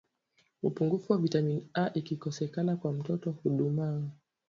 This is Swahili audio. upungufu wa vitamini A ikikosekana kwa mtoto hudumaa